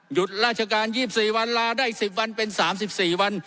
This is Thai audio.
หยุดราชการยิบสี่วันลาได้สิบวันเป็นสามสิบสี่วัน